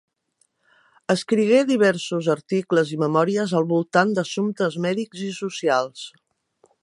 Escrigué diversos articles i memòries al voltant d'assumptes mèdics i socials.